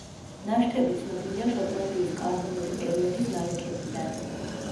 ნაშთები ცნობილია შოტლანდიის კარბონული პერიოდის ნალექებიდან.